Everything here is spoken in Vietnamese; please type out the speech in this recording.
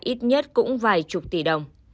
ít nhất cũng vài chục tỷ đồng